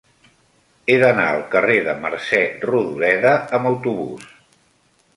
He d'anar al carrer de Mercè Rodoreda amb autobús.